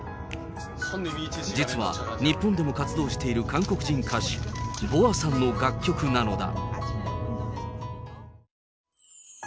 実は、日本でも活動している韓国人歌手、ＢｏＡさんの楽曲なのだ。